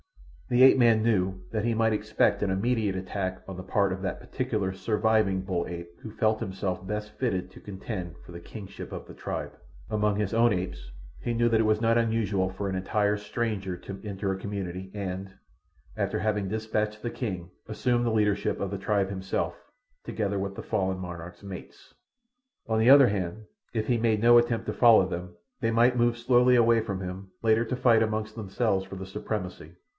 The ape man knew that he might expect an immediate attack on the part of that particular surviving bull ape who felt himself best fitted to contend for the kingship of the tribe. Among his own apes he knew that it was not unusual for an entire stranger to enter a community and, after having dispatched the king, assume the leadership of the tribe himself, together with the fallen monarch's mates. On the other hand, if he made no attempt to follow them, they might move slowly away from him, later to fight among themselves for the supremacy.